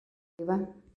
Слива